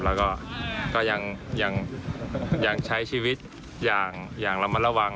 แล้วก็ก็ยังใช้ชีวิตอย่างระมัดระวัง